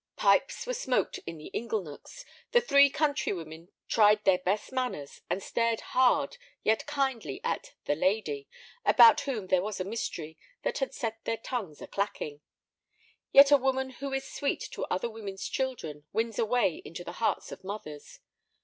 Pipes were smoked in the ingle nooks. The three countrywomen tried their best manners, and stared hard yet kindly at "the lady" about whom there was a mystery that had set their tongues a clacking. Yet a woman who is sweet to other women's children wins a way into the hearts of mothers.